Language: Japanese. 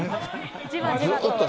じわじわと。